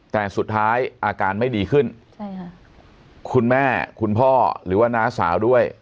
แต่สุดท้ายอาการไม่ดีขึ้นใช่ค่ะคุณแม่คุณพ่อหรือว่าน้าสาวด้วย